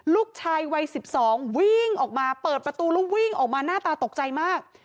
ลูกชายวัย๑๒วิ่งออกมาเปิดประตูแล้ววิ่งออกมาหน้าตาตกใจมาก